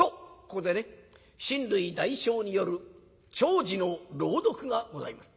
ここでね親類代表による弔辞の朗読がございます。